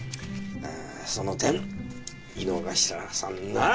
その点井之頭さんなら！